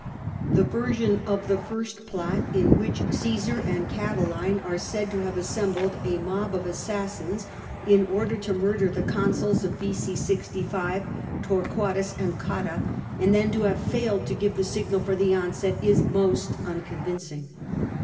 The version of the first plot, in which Cassar and Catiline are said to have assembled a mob of assassins in order to murder the consuls of B.o. 65, Torquatns and Cotta, and then to have failed to give the signal for the onset, is most unconvincing.